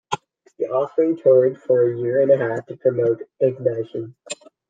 The Offspring toured for a-year-and-a-half to promote "Ignition".